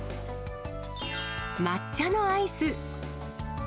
抹茶のアイス。